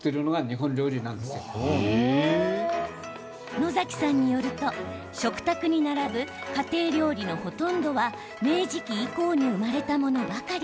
野崎さんによると食卓に並ぶ家庭料理のほとんどは明治期以降に生まれたものばかり。